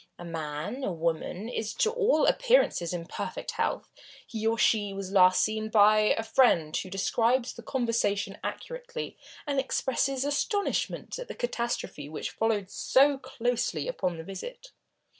A man, a woman, is to all appearances in perfect health. He or she was last seen by a friend, who describes the conversation accurately, and expresses astonishment at the catastrophe which followed so closely upon the visit.